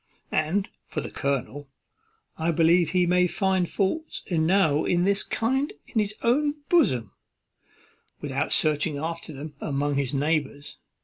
And for the colonel, I believe he may find faults enow of this kind in his own bosom, without searching after them among his neighbours.